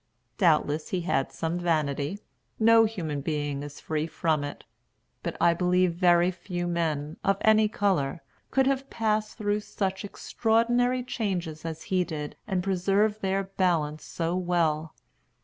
Doubtless he had some vanity. No human being is free from it. But I believe very few men, of any color, could have passed through such extraordinary changes as he did, and preserved their balance so well.